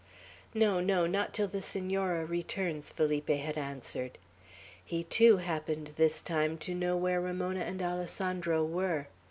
"No, no, not till the Senora returns," Felipe had answered. He, too, happened this time to know where Ramona and Alessandro were.